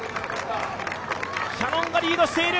キヤノンがリードしている。